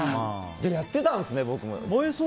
やってたんですね、僕も。